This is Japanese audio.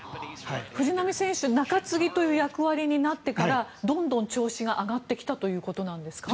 藤浪選手中継ぎという役割になってからどんどん調子が上がってきたということなんですか？